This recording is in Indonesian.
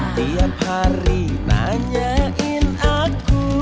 tiap hari nanyain aku